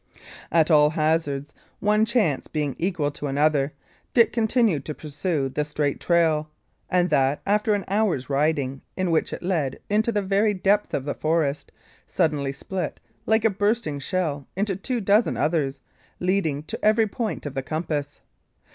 At all hazards, one chance being equal to another, Dick continued to pursue the straight trail; and that, after an hour's riding, in which it led into the very depths of the forest, suddenly split, like a bursting shell, into two dozen others, leading to every point of the compass.